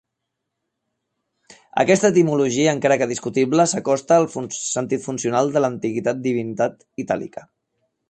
Aquesta etimologia, encara que discutible, s'acosta al sentit funcional de l'antiga divinitat itàlica.